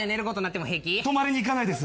泊まりに行かないです